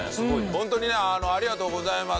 ホントにねありがとうございます。